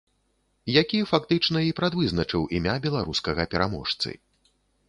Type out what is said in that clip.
Які, фактычна, і прадвызначыў імя беларускага пераможцы.